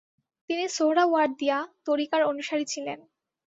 তিনি সোহরাওয়ার্দিয়া ত্বরিকার অনুসারী ছিলেন।